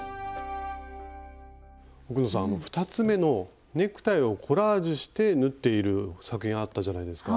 奥野さん２つ目のネクタイをコラージュして縫っている作品あったじゃないですか？